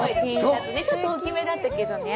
ちょっと大きめだったけどね。